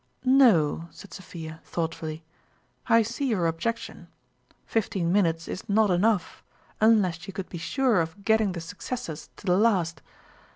" No," said Sophia, thoughtfully ;" I see your objection fifteen minutes is not enough, unless you could be sure of getting the suc cessors to the last.